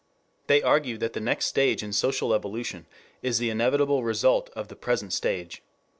They argue that the next stage in social evolution is the inevitable result of the present stage.